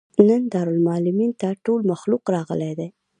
نن دارالمعلمین ته ټول مخلوق راغلى دی.